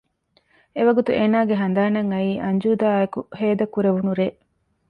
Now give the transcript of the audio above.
އެވަގުތު އޭނާގެ ހަނދާނަށް އައީ އަންޖޫދާ އާއެކު ހޭދަކުރެވުނު ރޭ